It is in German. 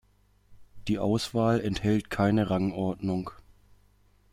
Die Auswahl enthält keine Rangordnung.